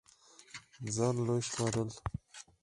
ځان لوے شمارل